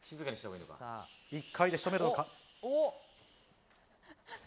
１回で仕留めるのか？